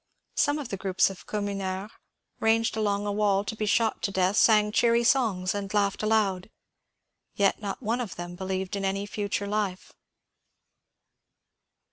Some of the groups of communards ranged along a wall to be shot to death sang cheery songs and laughed aloud ; yet not one of them believed in any future life.